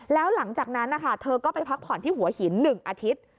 แล้วหลังจากนั้นนะคะเธอก็ไปพักผ่อนที่หัวหิน๑อาทิตย์